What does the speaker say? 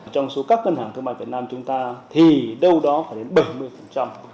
trong số các ngân hàng thương mại việt nam chúng ta thì đâu đó phải đến bảy mươi